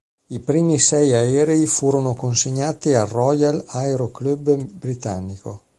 I primi sei aerei furono consegnati al Royal Aero Club britannico.